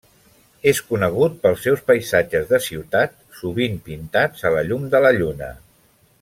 És conegut pels seus paisatges de ciutat, sovint pintats a la llum de la lluna.